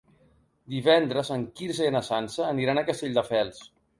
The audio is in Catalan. Divendres en Quirze i na Sança aniran a Castelldefels.